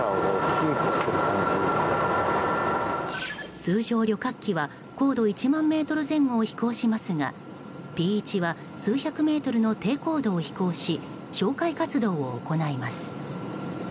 通常、旅客機は高度１万ｍ前後を飛行しますがＰ１は数百メートルの低高度を飛行し、哨戒活動を行います。